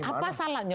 iya tapi apa salahnya